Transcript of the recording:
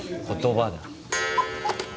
言葉だ。